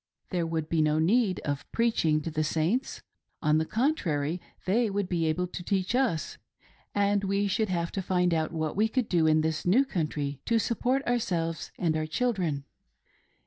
There would be no need of preaching to the Saints : on the contrary they would be able to teach us ; and we should have to find out what we could do in this new country to support ourselves and our children.